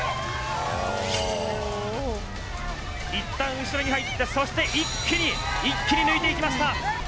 いったん後ろに入って、そして一気に、一気に抜いていきました。